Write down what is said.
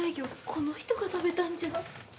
この人が食べたんじゃ。